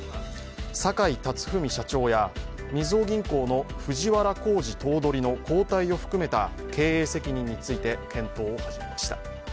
坂井辰史社長やみずほ銀行の藤原弘治頭取の交代を含めた経営責任について検討を始めました。